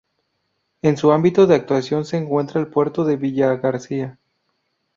En su ámbito de actuación se encuentra el Puerto de Villagarcía.